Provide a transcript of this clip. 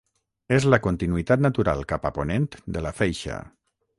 És la continuïtat natural cap a ponent de la Feixa.